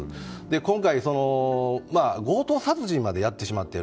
今回、強盗殺人までやってしまっている。